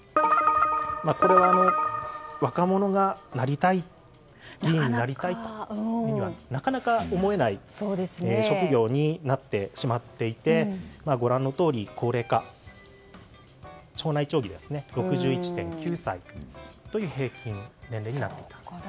これは若者が議員になりたいとはなかなか思えない職業になってしまっていてご覧のとおり高齢化して町議は６１．９歳という平均年齢になっているんです。